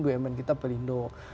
bumn kita pelindung